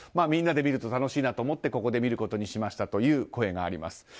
みんなで見ると楽しいなと思ってここで見ることにしましたという声があります。